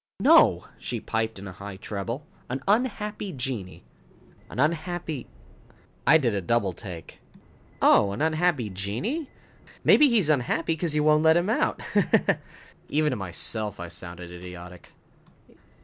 "No," she piped, in a high treble. "An unhappy genii." "An unhappy " I did a double take. "Oh, an unhappy genii? Maybe he's unhappy because you won't let him out, ha ha." Even to myself, I sounded idiotic.